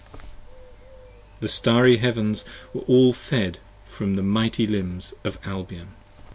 32 The Starry Heavens all were fled from the mighty limbs of Albion, p.